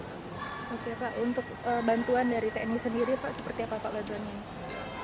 oke pak untuk bantuan dari tni sendiri pak seperti apa pak bantuannya